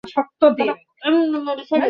দৈনিক চর্চা।